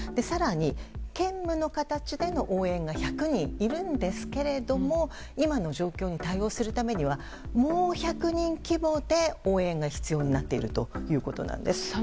更に、兼務の形での応援が１００人いるんですけれども今の状況で対応するためにはもう１００人規模で応援が必要になっているということです。